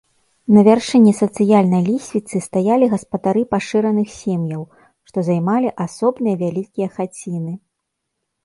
На вяршыні сацыяльнай лесвіцы стаялі гаспадары пашыраных сем'яў, што займалі асобныя вялікія хаціны.